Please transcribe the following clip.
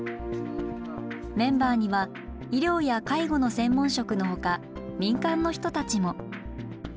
メンバーには医療や介護の専門職のほか民間の人たちも。